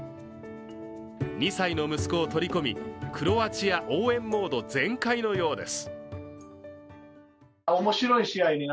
２歳の息子を取り込み、クロアチア応援モード全開のようです。